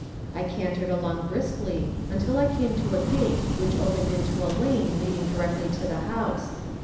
I cantered along briskly until I came to a gate which opened into a lane leading directly to the house.